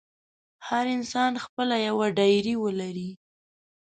هر انسان خپله یوه ډایري ولري.